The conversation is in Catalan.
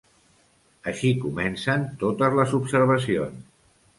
Així comencen totes les observacions.